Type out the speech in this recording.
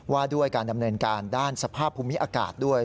ว่าด้วยการดำเนินการด้านสภาพภูมิอากาศด้วย